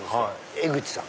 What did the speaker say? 江口さん。